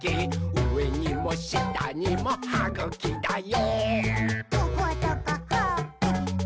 うえにもしたにもはぐきだよ！」